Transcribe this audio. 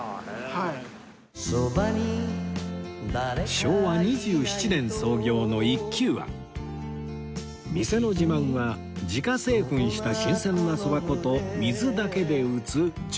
昭和２７年創業の店の自慢は自家製粉した新鮮なそば粉と水だけで打つ十割そば